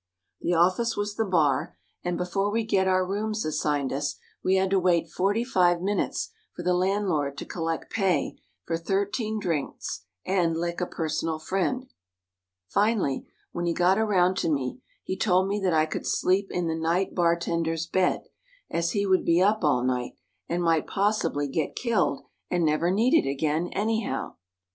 The office was the bar and before we could get our rooms assigned us, we had to wait forty five minutes for the landlord to collect pay for thirteen drinks and lick a personal friend. Finally, when he got around to me, he told me that I could sleep in the night bar tender's bed, as he would be up all night, and might possibly get killed and never need it again, anyhow.